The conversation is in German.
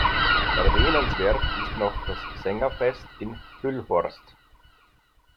Erwähnenswert ist noch das Sängerfest in Hüllhorst.